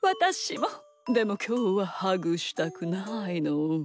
でもきょうはハグしたくないの。